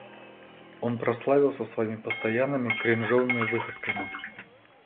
Он прославился своими постоянными кринжовыми выходками.